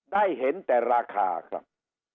ได้เห็นแต่ราคาครับ